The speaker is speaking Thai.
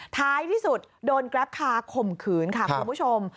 ท้ายที่สุดโดนแกรปคาข่มขืนค่ะคุณผู้ชม